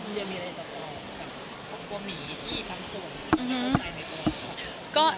เชียร์มีอะไรจะตอบกับความหนีที่ทั้งส่วน